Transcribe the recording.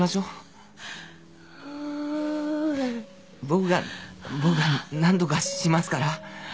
僕が僕が何とかしますから。